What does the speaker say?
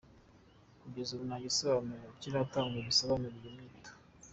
Kugeza ubu nta gisobanuro kiratangwa gisobanura iyo nyito.